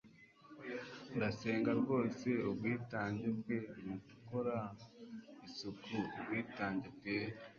ndasenga rwose ubwitange bwe mu gukora isuku, ubwitange bwera